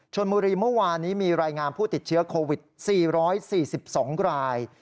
ชนบุรีเมื่อวานนี้มีรายงานผู้ติดเชื้อโควิด๔๔๒ราย